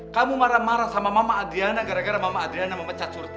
kamu marah marah sama mama adriana gara gara mama adriana memecat curti